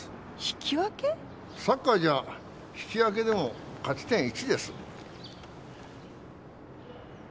サッカーじゃ引き分けでも勝ち点１です。